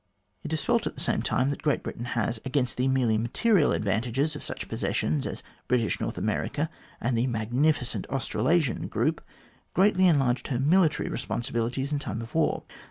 It is felt at the same time that Great Britain has> against the merely material advantages of such possessions as British North America and the magnificent Australasian group, greatly enlarged her military responsibilities in time of war.